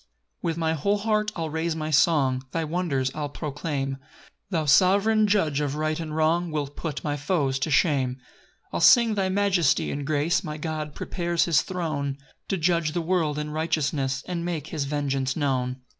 1 With my whole heart I'll raise my song, Thy wonders I'll proclaim; Thou sov'reign judge of right and wrong Wilt put my foes to shame. 2 I'll sing thy majesty and grace; My God prepares his throne To judge the world in righteousness And make his vengeance known.